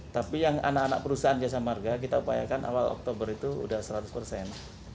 tapi yang anak anak perusahaan jasa marga kita upayakan awal oktober itu sudah seratus persen